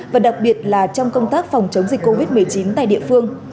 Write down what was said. và đặc biệt là trong công tác phòng chống dịch covid một mươi chín tại địa phương